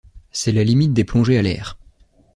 C'est la limite des plongées à l'air.